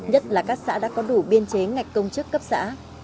nhất là các xã đã có đủ biên chế ngạch công chức cấp xã